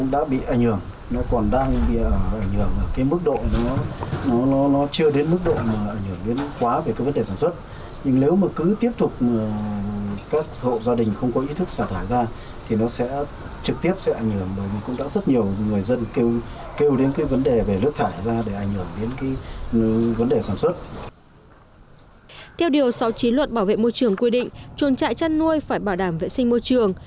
theo điều sáu mươi chín luật bảo vệ môi trường quy định chuồng trại chăn nuôi phải bảo đảm vệ sinh môi trường